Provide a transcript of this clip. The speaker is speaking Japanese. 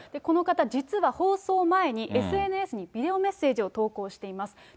この方、実は放送前に、ＳＮＳにビデオメッセージを投稿しています。